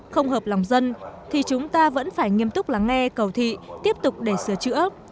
không hợp lòng dân thì chúng ta vẫn phải nghiêm túc lắng nghe cầu thị tiếp tục để sửa chữa